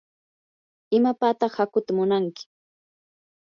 ¿imapataq hakuuta munanki?